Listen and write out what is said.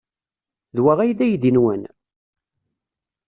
D wa ay d aydi-nwen?